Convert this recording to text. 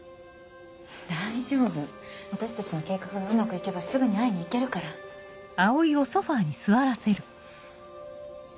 大丈夫私たちの計画がうまく行けばすぐに会いに行けるから。ねぇ。